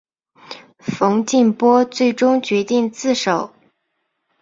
冯静波最终决定自首。